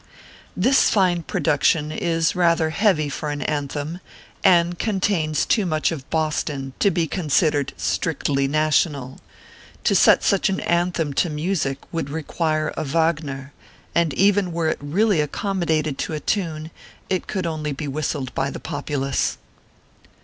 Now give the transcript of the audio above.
This fine production is rather heavy for an " an them," and contains too much of Boston to be con sidered strictly national. To set such an "anthem" to music would require a Wagner ; and even were it really accomodated to a tune, it could only be whis tled by the populace.